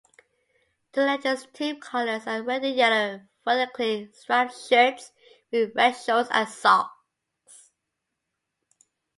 Dudelange's team colors are red-and-yellow vertically striped shirts, with red shorts and socks.